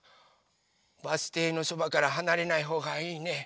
バスていのそばからはなれないほうがいいね。